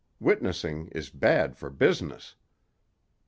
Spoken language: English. Witnessing is bad for business."